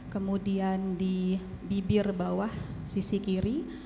kemudian di bibir bawah sisi kiri